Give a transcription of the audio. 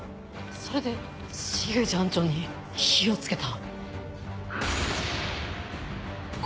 それで重藤班長に火を付けた。